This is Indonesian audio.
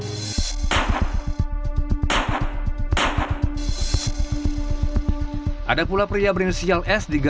itu ini angin atau brittan adalah pemilik komedi mereka yang lebih besok saat dan jika